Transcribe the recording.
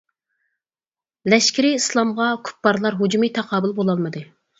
لەشكىرى ئىسلامغا كۇپپارلار ھۇجۇمى تاقابىل بولالمىدى.